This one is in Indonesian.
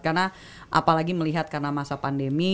karena apalagi melihat karena masa pandemi